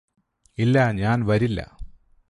ഇല്ലാ ഞാന് വരില്ലാ